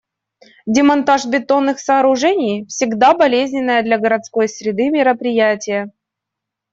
Демонтаж бетонных сооружений — всегда болезненное для городской среды мероприятие.